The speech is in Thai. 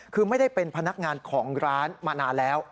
คือไม่ได้เป็นพนักงานของร้านมานานแล้ว